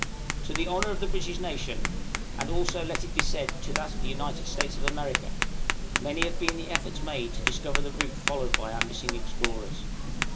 To the honor of the British nation, and also let it be said to that of the United States of America, many have been the efforts made to discover the route followed by our missing explorers.